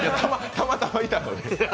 たまたまいたので。